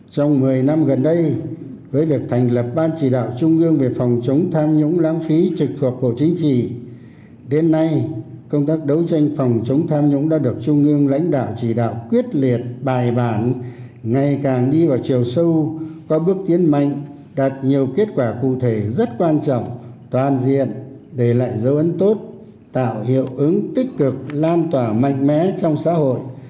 trong một mươi năm gần đây với việc thành lập ban chỉ đạo trung ương về phòng chống tham nhũng lãng phí trực thuộc bộ chính trị đến nay công tác đấu tranh phòng chống tham nhũng đã được trung ương lãnh đạo chỉ đạo quyết liệt bài bản ngày càng đi vào chiều sâu qua bước tiến mạnh đạt nhiều kết quả cụ thể rất quan trọng toàn diện để lại dấu ấn tốt tạo hiệu ứng tích cực lan tỏa mạnh mẽ trong xã hội